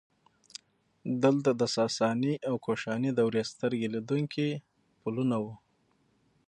دلته د ساساني او کوشاني دورې سترګې لیدونکي پلونه وو